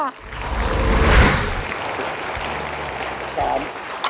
สวม